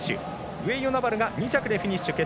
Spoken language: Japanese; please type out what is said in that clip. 上与那原が２着でフィニッシュ。